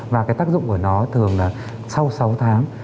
và cái tác dụng của nó thường là sau sáu tháng